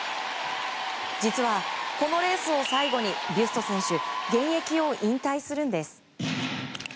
実は、このレースを最後にビュスト選手現役を引退するんです。